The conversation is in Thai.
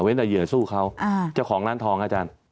แต่เหยื่อสู้เขาเจ้าของร้านทองอาจารย์